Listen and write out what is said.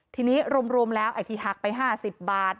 ทีนี้รวมแล้วไอ้ที่หักไป๕๐บาท